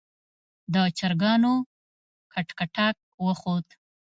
د چرګانو کټکټاک وخوت.